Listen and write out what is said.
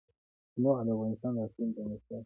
تنوع د افغانستان د اقلیم ځانګړتیا ده.